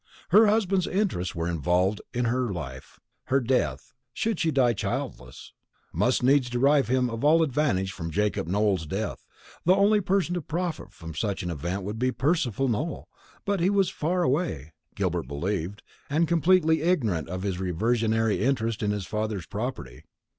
Her husband's interests were involved in her life; her death, should she die childless, must needs deprive him of all advantage from Jacob Nowell's wealth. The only person to profit from such an event would be Percival Nowell; but he was far away, Gilbert believed, and completely ignorant of his reversionary interest in his father's property.